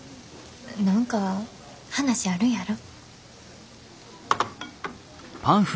何か話あるんやろ？